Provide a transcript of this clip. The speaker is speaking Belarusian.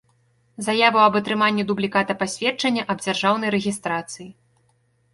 Заяву аб атрыманнi дублiката пасведчання аб дзяржаўнай рэгiстрацыi.